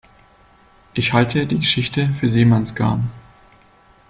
Ich halte die Geschichte für Seemannsgarn.